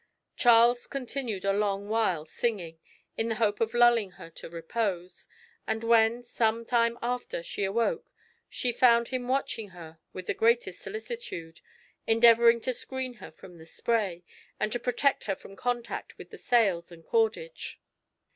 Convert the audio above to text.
Charles continued a long while singing, in the hope of lulling her to repose; and when, some time after, she awoke, she found him watching her with the greatest solicitude, endeavouring to screen her from the spray, and to protect her from contact with the sails and cordage.